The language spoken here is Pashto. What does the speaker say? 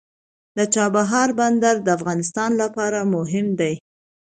د چابهار بندر د افغانستان لپاره مهم دی.